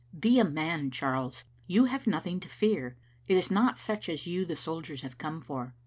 " Be a man, Charles. You have nothing to fear. It is not such as you the soldiers have come for.